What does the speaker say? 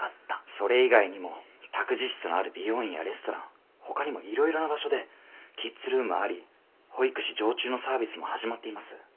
それ以外にも託児室のある美容院やレストランほかにもいろいろな場所で「キッズルームあり保育士常駐」のサービスも始まっています。